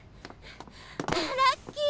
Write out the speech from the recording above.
ラッキー！